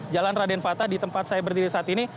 jalan raden fata di tempat saya berdiri saat ini